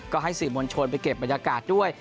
ก็ให้สื่อมวลชนไปเก็บบรรยากาศด้วย